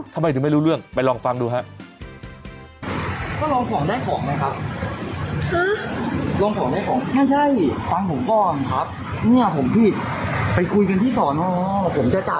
ทำไมถึงไม่รู้เรื่องไปลองฟังดูครับ